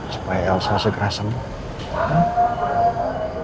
supaya elsa segera sembuh